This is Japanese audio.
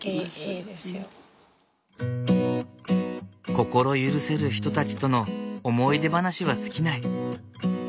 心許せる人たちとの思い出話は尽きない。